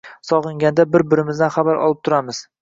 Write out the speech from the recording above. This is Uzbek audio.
Sog‘inganda bir-birimizdan xabar olib turamiz